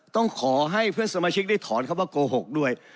ต้องขอให้เพื่อนสมาชิกได้ถอนคำว่าโกหกด้วย